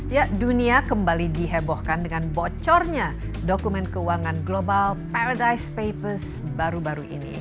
ya dunia kembali dihebohkan dengan bocornya dokumen keuangan global paradise papers baru baru ini